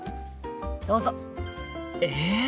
どうぞ！え？